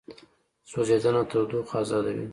سوځېدنه تودوخه ازادوي.